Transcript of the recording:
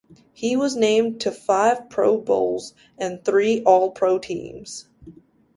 He was named to five Pro Bowls and three All-Pro teams.